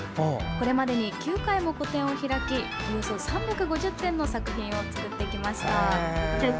これまでに９回も個展を開きおよそ３５０点の作品を作ってきました。